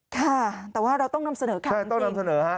ค่ะแต่ว่าเราต้องนำเสนอค่ะใช่ต้องนำเสนอฮะ